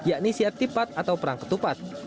yakni siat tipat atau perang ketupat